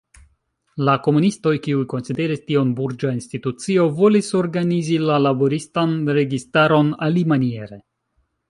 La komunistoj, kiuj konsideris tion burĝa institucio, volis organizi la laboristan registaron alimaniere.